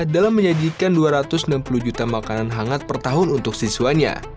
dalam menyajikan dua ratus enam puluh juta makanan hangat per tahun untuk siswanya